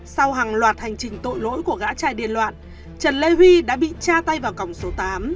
sau hàng loạt hành trình tội lỗi của gã trại điện loạn trần lê huy đã bị cha tay vào cổng số tám